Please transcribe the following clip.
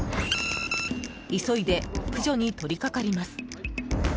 急いで駆除に取り掛かります。